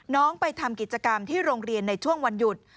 น้องไปทำกิจกรรมที่โรงเรียนในช่วงวันหยุด